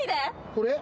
これ？